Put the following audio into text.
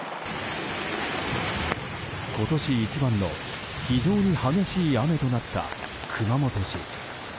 今年一番の非常に激しい雨となった熊本市。